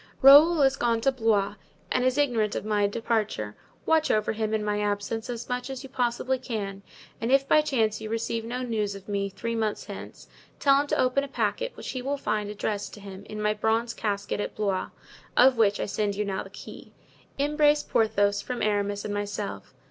"Raoul is gone to Blois and is ignorant of my departure; watch over him in my absence as much as you possibly can; and if by chance you receive no news of me three months hence, tell him to open a packet which he will find addressed to him in my bronze casket at Blois, of which I send you now the key. "Embrace Porthos from Aramis and myself.